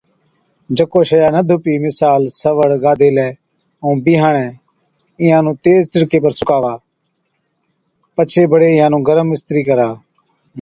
جڪو شئِيا نہ ڌُپِي مثال، سوَڙ، گاڌيلَي ائُون بِيهاڻَي اِينهان نُون تيز تِڙڪي پر سُڪاوا بڇي بڙي اِينهان نُون گرم اِسترِي ڪرا۔